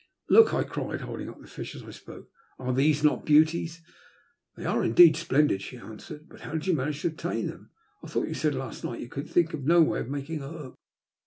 '' Look i " I cried, holding up the fish as I spoke* '* Are these not beauties ?"They are indeed splendid," she answered. ''But how did you manage to obtain them ? I thought you said last night that you could think of no way of making a hook?"